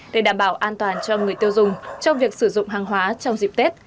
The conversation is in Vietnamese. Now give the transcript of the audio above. để đảm bảo an toàn cho người tiêu dùng trong việc sử dụng hàng hóa trong dịp tết